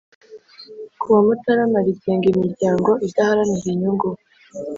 ku wa mutarama rigenga imiryango idaharanira inyungu